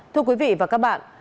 thưa quý vị và các bạn